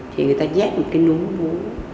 thì người ta nhét một cái núm bú